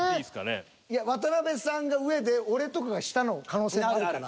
いや渡辺さんが上で俺とかが下の可能性もあるから。